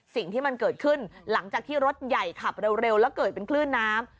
สิ่งที่มันเกิดขึ้นหลังจากที่รถใหญ่ขับเร็วแล้วเกิดเป็นคลื่นน้ำ